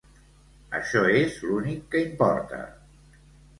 Això és l'únic que importa.